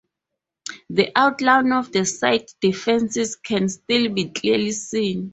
The outline of the site's defences can still be clearly seen.